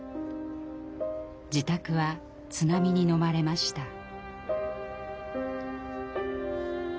自宅は津波にのまれました。